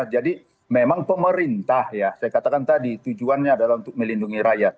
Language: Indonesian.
jadi memang pemerintah ya saya katakan tadi tujuannya adalah untuk melindungi rakyat